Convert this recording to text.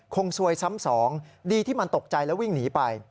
ซวยซ้ำสองดีที่มันตกใจแล้ววิ่งหนีไป